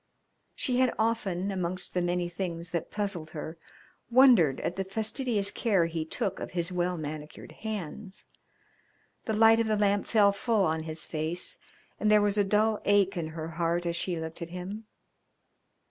She had often, amongst the many things that puzzled her, wondered at the fastidious care he took of his well manicured hands. The light of the lamp fell full on his face, and there was a dull ache in her heart as she looked at him.